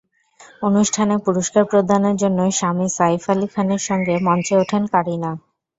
অনুষ্ঠানে পুরস্কার প্রদানের জন্য স্বামী সাইফ আলী খানের সঙ্গে মঞ্চে ওঠেন কারিনা।